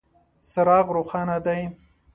څراغ روښانه دی .